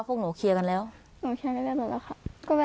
หนูเคลียร์กันแล้วครับ